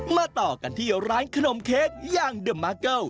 มาต่อกันที่ร้านขนมเค้กยังเดิมมาเก้า